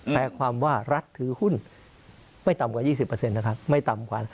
แปลความว่ารัฐถือหุ้นไม่ต่ำกว่า๒๐นะครับ